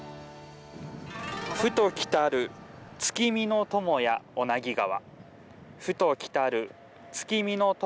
「ふと来たる月見の友や小名木川」。